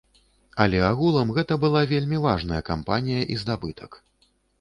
Але агулам гэта была вельмі важная кампанія і здабытак.